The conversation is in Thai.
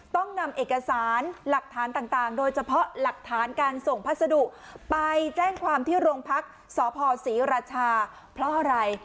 ต้องนำเอกสารหลักฐานต่างโดยเฉพาะหลักฐานการส่งพัสดุไปแจ้งความที่โรงพักษ์สพศรีราชาเพราะอะไร